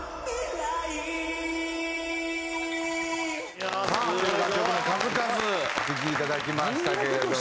いやあすごい！さあという楽曲の数々お聴きいただきましたけれども。